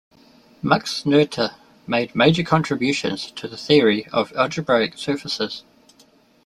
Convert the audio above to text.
Max Noether made major contributions to the theory of algebraic surfaces.